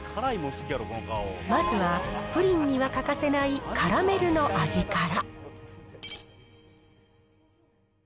まずは、プリンには欠かせないカラメルの味から。